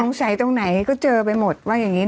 ใส่ตรงไหนก็เจอไปหมดว่าอย่างนี้